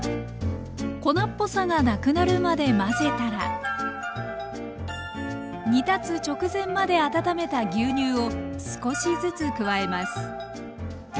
粉っぽさがなくなるまで混ぜたら煮立つ直前まで温めた牛乳を少しずつ加えます。